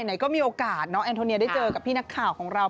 ไหนก็มีโอกาสน้องแอนโทเนียได้เจอกับพี่นักข่าวของเรา